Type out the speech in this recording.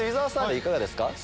いかがですか？